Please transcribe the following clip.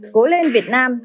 cố lên việt nam